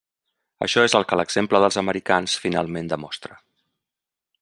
Això és el que l'exemple dels americans finalment demostra.